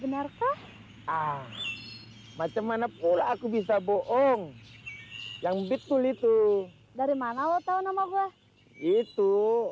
benarkah ah macam mana pula aku bisa bohong yang betul itu dari mana lo tau nama gue itu